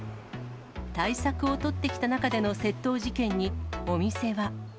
対策を取ってきた中での窃盗事件にお店は。